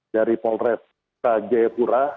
dari polres ke jayapura